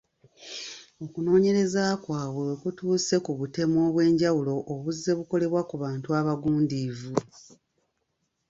Okunoonyereza kwabwe we kutuuse ku butemu obwenjawulo obuzze bukolebwa ku bantu abagundiivu.